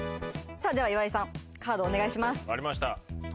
では岩井さん、カードお願いします。